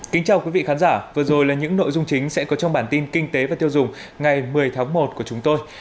kính chào quý vị khán giả vừa rồi là những nội dung chính sẽ có trong bản tin kinh tế và tiêu dùng ngày một mươi tháng một của chúng tôi